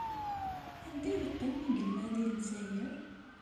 Anda ay yeqqim mi yella deg Lezzayer?